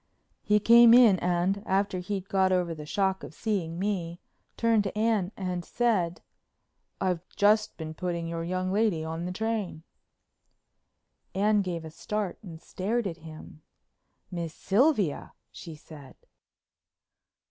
He came in and, after he'd got over the shock of seeing me, turned to Anne and said: "I just been putting your young lady on the train." Anne gave a start and stared at him. "Miss Sylvia?" she said.